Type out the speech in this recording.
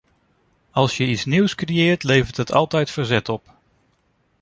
Als je iets nieuws creëert, levert dat altijd verzet op.